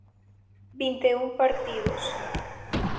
Vinte e un partidos.